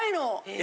・え！